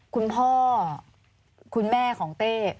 คุณพ่อคุณแม่ของเต้